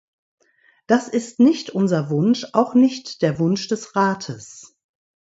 Das ist nicht unser Wunsch, auch nicht der Wunsch des Rates.